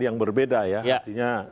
yang berbeda ya artinya